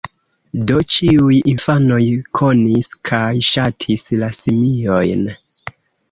Do ĉiuj infanoj konis kaj ŝatis la simiojn.